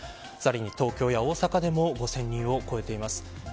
さらに東京や大阪でも５０００人を超えています。